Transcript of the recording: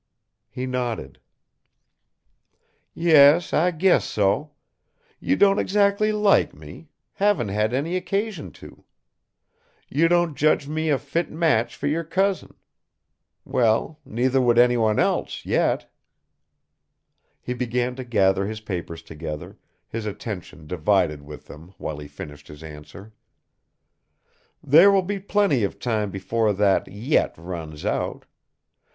He nodded. "Yes, I guess so. You don't exactly like me; haven't had any occasion to! You don't judge me a fit match for your cousin. Well, neither would anyone else, yet!" He began to gather his papers together, his attention divided with them while he finished his answer: "There will be plenty of time before that 'yet' runs out.